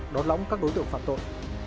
đón lóng các đối tượng phạt tội